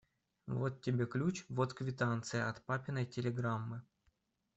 Вот тебе ключ, вот квитанция от папиной телеграммы.